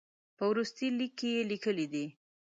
په وروستي لیک کې یې لیکلي دي.